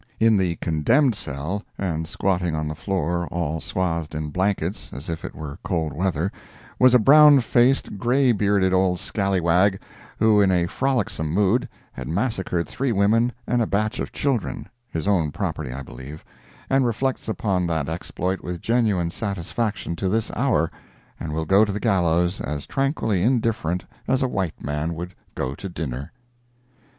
In the condemned cell and squatting on the floor, all swathed in blankets, as if it were cold weather, was a brown faced, gray bearded old scalliwag, who, in a frolicsome mood, had massacred three women and a batch of children—his own property, I believe—and reflects upon that exploit with genuine satisfaction to this hour, and will go to the gallows as tranquilly indifferent as a white man would go to dinner.